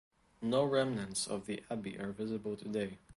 No remnants of the abbey are visible today.